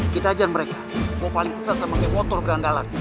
bisa aja mereka gue paling kesal sama water ganggalan